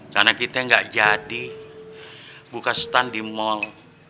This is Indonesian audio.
karena kita gak jadi buka stand di mall